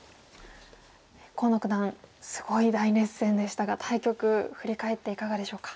河野九段すごい大熱戦でしたが対局振り返っていかがでしょうか？